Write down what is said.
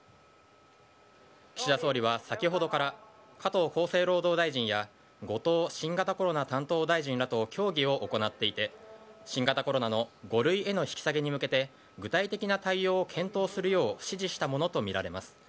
岸田総理は先ほどから加藤厚生労働大臣や後藤新型コロナ担当大臣らと協議を行っていて新型コロナの５類への引き下げに向けて具体的な対応を検討するよう指示したものとみられます。